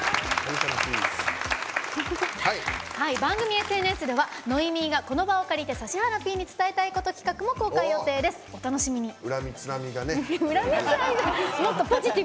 番組ＳＮＳではノイミーがこの場を借りて指原Ｐに伝えたいこと企画も恨みつらみがね。